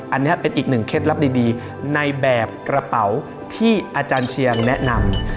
อันนี้เป็นอีกหนึ่งเคล็ดลับดีในแบบกระเป๋าที่อาจารย์เชียงแนะนำ